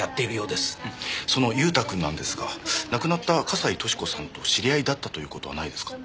その祐太君なんですが亡くなった笠井俊子さんと知り合いだったという事はないですか？